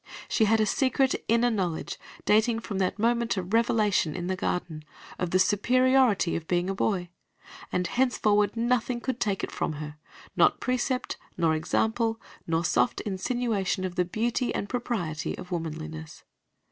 She had a secret, inner knowledge, dating from that moment of revelation in the garden, of the superiority of being a boy, and henceforward nothing could take it from her, not precept, nor example, nor soft insinuation of the beauty and propriety of womanliness.